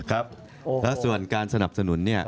และส่วนการสนับสนุนเนี่ย